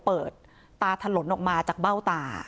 เปิดตาถลนออกมาจากเบ้าตา